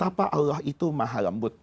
maka allah mengenal allah itu mahal lembut